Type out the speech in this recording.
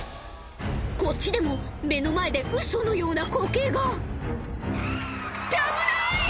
こっちでも目の前でウソのような光景がって危ない！